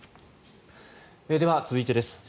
では、続いてです。